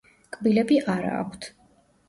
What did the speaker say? კბილები არა აქვთ.